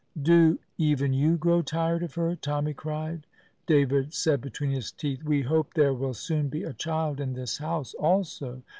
"Do even you grow tired of her?" Tommy cried. David said between his teeth: "We hope there will soon be a child in this house, also.